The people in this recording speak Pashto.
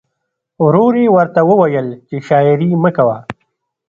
ورور یې ورته وویل چې شاعري مه کوه